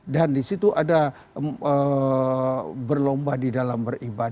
dan disitu ada berlomba di dalam beribadah